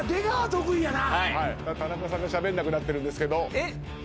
田中さんがしゃべんなくなってるんですけど。